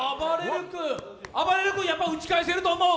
あばれる君、打ち返せると思う？